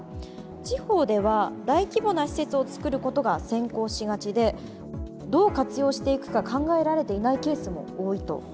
地方では大規模な施設をつくることが先行しがちでどう活用していくか考えられていないケースも多いと。